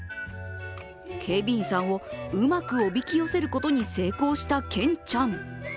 警備員さんをうまくおびき寄せることに成功したケンちゃん。